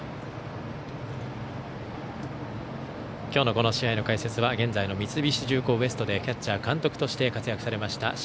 今日の試合の解説は現在の三菱重工Ｗｅｓｔでキャッチャー、監督として活躍されました